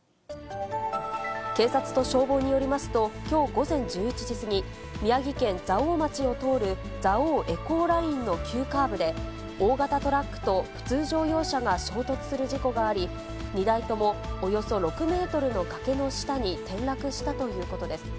警察と消防によりますと、きょう午前１１時過ぎ、宮城県蔵王町を通る蔵王エコーラインの急カーブで、大型トラックと普通乗用車が衝突する事故があり、２台ともおよそ６メートルの崖の下に転落したということです。